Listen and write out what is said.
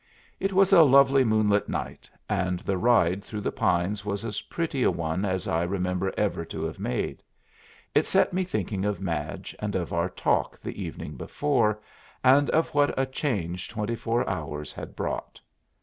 It was a lovely moonlight night, and the ride through the pines was as pretty a one as I remember ever to have made. It set me thinking of Madge and of our talk the evening before, and of what a change twenty four hours had brought.